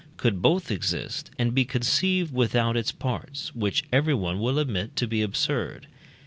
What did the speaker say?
could both exist and be conceived without its parts, which everyone will admit to be absurd.